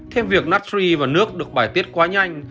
thêm việc natri và nước được bài tiết quá nhanh